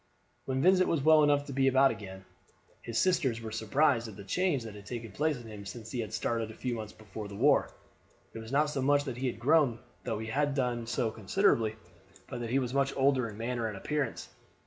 When Vincent was well enough to be about again, his sisters were surprised at the change that had taken place in him since he had started a few months before for the war. It was not so much that he had grown, though he had done so considerably, but that he was much older in manner and appearance.